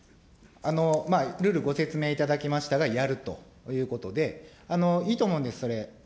るるご説明いただきましたが、やるということで、いいと思うんです、それ。